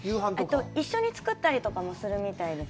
一緒に作ったりとかもするみたいで。